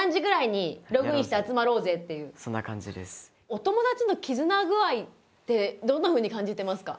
お友達の絆具合ってどんなふうに感じてますか。